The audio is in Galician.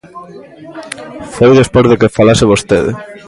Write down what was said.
Foi despois de que falase vostede.